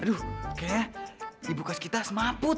aduh kayaknya ibu khas kita semaput